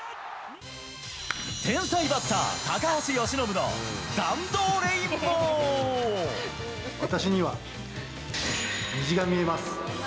天才バッター、私には虹が見えます！